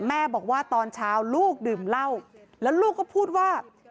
แม่บอกว่าตอนเช้าลูกดื่มเหล้าแล้วลูกก็พูดว่า